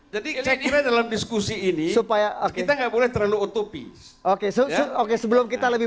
jadi kita dalam diskusi ini supaya kita nggak boleh terlalu otopis oke oke sebelum kita lebih